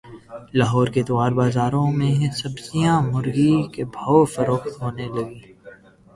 لاہور کے اتوار بازاروں میں سبزیاں مرغی کے بھاو فروخت ہونے لگیں